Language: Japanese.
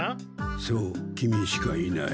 そうキミしかいない。